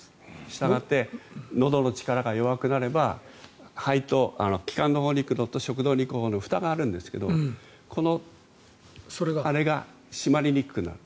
したがってのどの力が弱くなれば肺と気管のほうに行くのと食道のほうに行くふたがあるんですがこれが締まりにくくなる